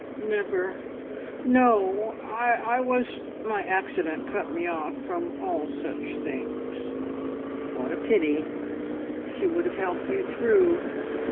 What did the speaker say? "Never. No. I was My accident cut me off from all such things." "What a pity! She would have helped you through."